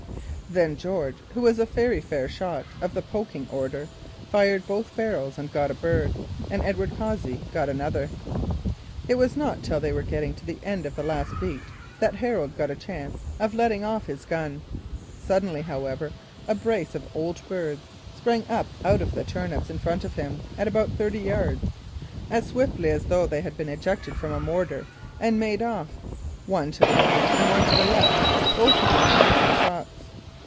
Then George, who was a very fair shot of the "poking" order, fired both barrels and got a bird, and Edward Cossey got another. It was not till they were getting to the end of their last beat that Harold found a chance of letting off his gun. Suddenly, however, a brace of old birds sprang up out of the turnips in front of him at about thirty yards as swiftly as though they had been ejected from a mortar, and made off, one to the right and one to the left, both of them rising shots.